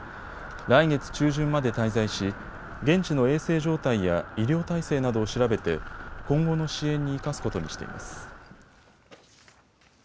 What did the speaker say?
来月中旬まで滞在し現地の衛生状態や医療態勢などを調べて今後の支援に生かすことにしています。